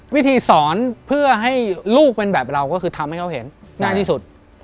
วิธีสอนเพื่อให้ลูกเป็นแบบเราก็คือทำให้เขาเห็นง่ายที่สุด